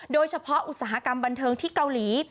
อุตสาหกรรมบันเทิงที่เกาหลี